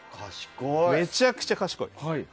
めちゃくちゃ賢い。